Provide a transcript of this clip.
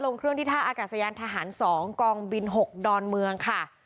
เครื่องที่ท่าอากาศยานทหาร๒กองบิน๖ดอนเมืองค่ะ